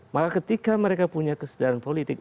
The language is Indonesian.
maka ketika mereka punya kesadaran politik